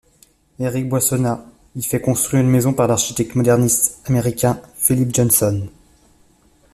Éric Boissonnas y fait construire une maison par l'architecte moderniste américain Philip Johnson.